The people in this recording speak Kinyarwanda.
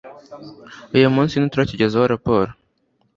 uyu munsi ntituracyigezaho raporo